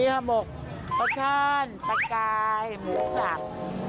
มีห่อมกตะชันตะกายหมูสับ